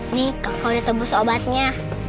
ini kakak udah tebus obatnya